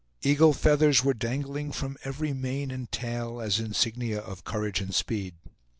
Eagle feathers were dangling from every mane and tail, as insignia of courage and speed.